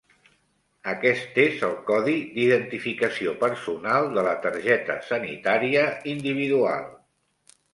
Aquest és el codi d'identificació personal de la targeta sanitària individual.